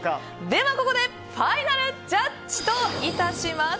では、ここでファイナルジャッジといたします。